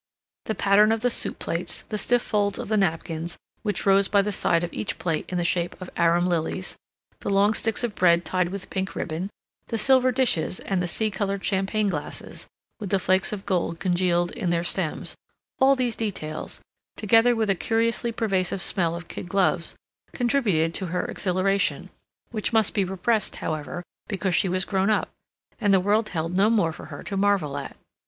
The pattern of the soup plates, the stiff folds of the napkins, which rose by the side of each plate in the shape of arum lilies, the long sticks of bread tied with pink ribbon, the silver dishes and the sea colored champagne glasses, with the flakes of gold congealed in their stems—all these details, together with a curiously pervasive smell of kid gloves, contributed to her exhilaration, which must be repressed, however, because she was grown up, and the world held no more for her to marvel at.